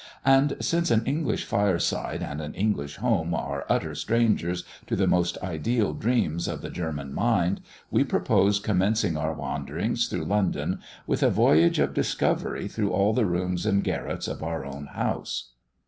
And since an English fireside and an English home are utter strangers to the most ideal dreams of the German mind, we propose commencing our Wanderings through London with a voyage of discovery through all the rooms and garrets of our own house.